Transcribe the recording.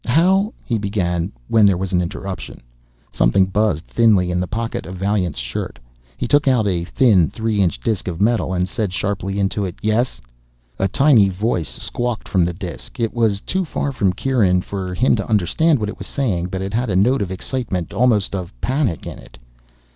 "How " he began, when there was an interruption. Something buzzed thinly in the pocket of Vaillant's shirt. He took out a thin three inch disk of metal and said sharply into it, "Yes?" A tiny voice squawked from the disk. It was too far from Kieran for him to understand what it was saying but it had a note of excitement, almost of panic, in it.